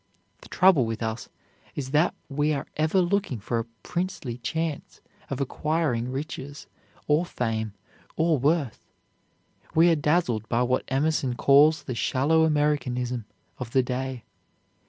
The trouble with us is that we are ever looking for a princely chance of acquiring riches, or fame, or worth. We are dazzled by what Emerson calls the "shallow Americanism" of the day.